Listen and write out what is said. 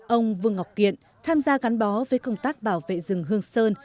ông vương ngọc kiện tham gia gắn bó với công tác bảo vệ rừng hương sơn